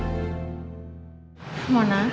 dalam waktu tadi